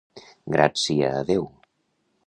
Grat sia a Déu!